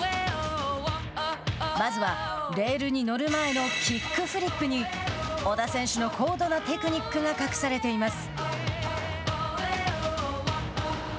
まずは、レールに乗る前のキックフリップに織田選手の高度なテクニックが隠されています。